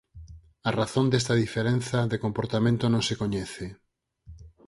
A razón desta diferenza de comportamento non se coñece.